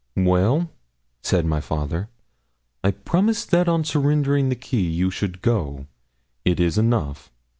'Well,' said my father,' I promised that on surrendering the key you should go. It is enough.